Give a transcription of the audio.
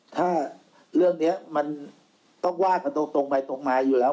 ถ้าเรื่องนี้มันต้องว่ากันตรงไปตรงมาอยู่แล้ว